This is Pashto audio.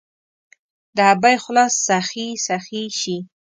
د ابۍ خوله سخي، سخي شي